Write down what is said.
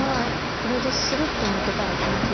これでスルッと抜けたら気持ちいいですね。